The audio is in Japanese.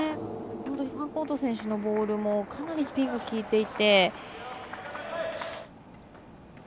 ファンコート選手のボールもかなりスピンが利いていて。